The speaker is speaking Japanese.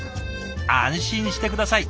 安心して下さい！